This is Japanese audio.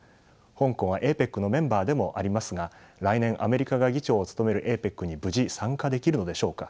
香港はＡＰＥＣのメンバーでもありますが来年アメリカが議長を務めるＡＰＥＣに無事参加できるのでしょうか。